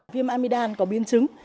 viêm amidam có biến chứng